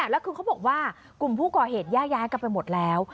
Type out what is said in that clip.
แล้วคือเขาบอกว่ากลุ่มผู้ก่อเหตุแยกย้ายกันไปหมดแล้ว